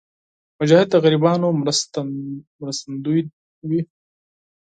مجاهد د غریبانو مرستندوی وي.